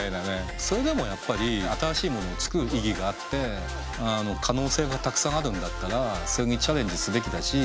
それでもやっぱり新しいものを作る意義があって可能性がたくさんあるんだったらそれにチャレンジすべきだし。